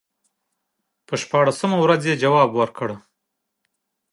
شپاړسمه یې جواب ورکړ.